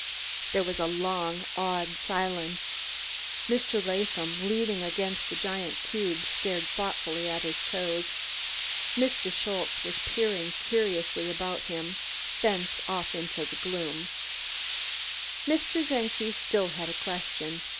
There was a long, awed silence. Mr. Latham, leaning against the giant cube, stared thoughtfully at his toes; Mr. Schultze was peering curiously about him, thence off into the gloom; Mr. Czenki still had a question.